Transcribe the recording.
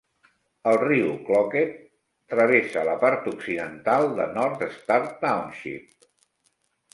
El riu Cloquet travessa la part occidental de North Star Township.